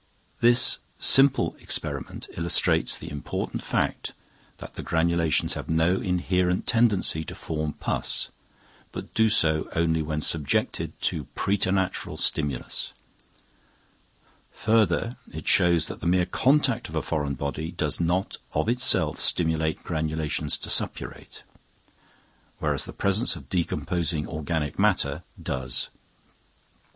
This simple experiment illustrates the important fact that granulations have no inherent tendency to form pus, but do so only when subjected to preternatural stimulus. Further, it shows that the mere contact of a foreign body does not of itself stimulate granulations to suppurate; whereas the presence of decomposing organic matter does.